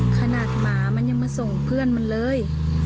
หมามันยังมาส่งเพื่อนมันเลย